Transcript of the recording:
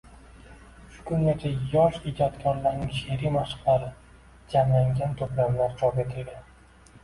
Shu kungacha yosh ijodkorning sheʼriy mashqlari jamlangan toʻplamlari chop etilgan.